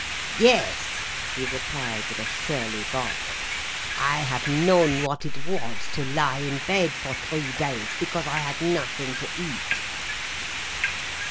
"Yes," he replied, with a surly bark. "I have known what it was to lie in bed for three days, because I had nothing to eat."